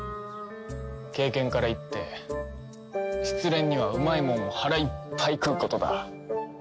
経験から言って失恋にはうまいもんを腹いっぱい食うことだ。